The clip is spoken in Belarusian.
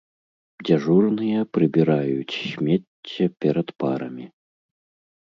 Дзяжурныя прыбіраюць смецце перад парамі.